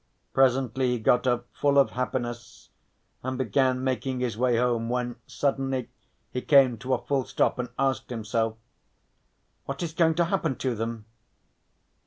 Presently he got up full of happiness, and began making his way home when suddenly he came to a full stop and asked himself: "What is going to happen to them?"